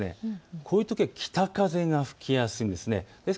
こういうときは北風が吹きやすいんです。